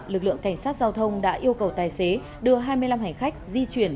lực lượng cảnh sát giao thông đã yêu cầu tài xế đưa hai mươi năm hành khách di chuyển